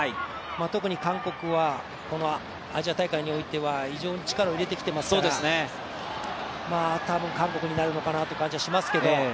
特に韓国はアジア大会においては非常に力を入れてきていますから韓国になるのかなという。